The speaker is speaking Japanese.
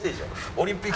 オリンピック。